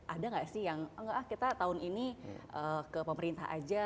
ada nggak sih yang kita tahun ini ke pemerintah saja